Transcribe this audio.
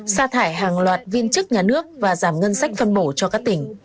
xa thải hàng loạt viên chức nhà nước và giảm ngân sách phân bổ cho các tỉnh